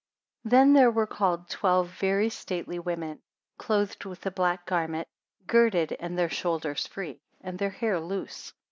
80 Then there were called twelve very stately women, clothed with a black garment, girded, and their shoulders free, and their hair loose.